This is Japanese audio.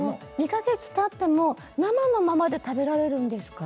２か月たっても生のまま食べられるんですか。